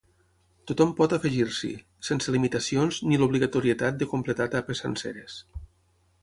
Tothom pot afegir-s’hi, sense limitacions ni l’obligatorietat de completar etapes senceres.